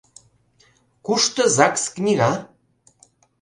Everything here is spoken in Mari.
Кушто ЗАГС книга?